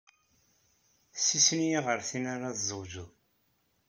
Ssisen-iyi ɣer tin ara tzewǧeḍ!